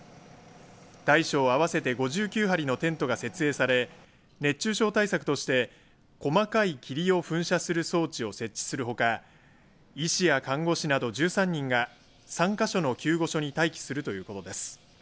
大小合わせて５９張のテントが設営され熱中症対策として細かい霧を噴射する装置を設置するほか医師や看護師など１３人が３か所の救護所に待機するということです。